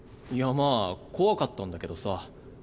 いやまあ怖かったんだけどさ。